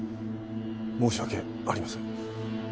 申し訳ありません。